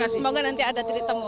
semoga nanti ada titik temu